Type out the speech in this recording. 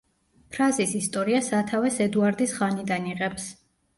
ფრაზის ისტორია სათავეს ედუარდის ხანიდან იღებს.